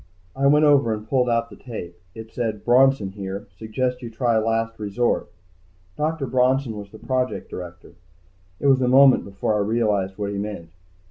I went over and pulled out the tape. It said: BRONSON HERE. SUGGEST YOU TRY LAST RESORT. Dr. Bronson was the project director. It was a moment before I realized what he meant.